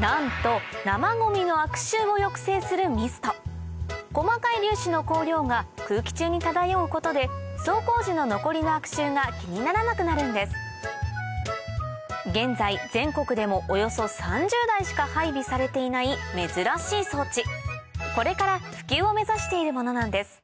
なんと生ごみの悪臭を抑制するミスト細かい粒子の香料が空気中に漂うことで走行時の残りの悪臭が気にならなくなるんです現在全国でもおよそ３０台しか配備されていない珍しい装置これから普及を目指しているものなんです